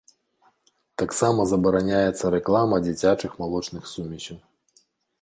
Таксама забараняецца рэклама дзіцячых малочных сумесяў.